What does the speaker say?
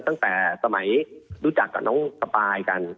ตั้งแต่สมัยรู้จักกับน้องสปายกัน